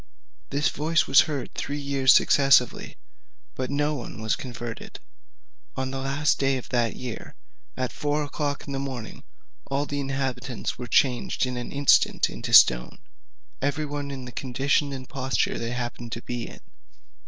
"This voice was heard three years successively, but no one was converted. On the last day of that year, at four o'clock in the morning, all the inhabitants were changed in an instant into stone, every one in the condition and posture they happened to be in.